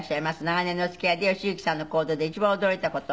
長年の付き合いで吉行さんの行動で一番驚いた事。